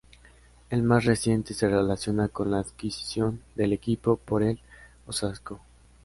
El más reciente se relaciona con la adquisición del equipo por el Osasco.